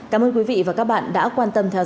cảm ơn quý vị và các bạn đã quan tâm theo dõi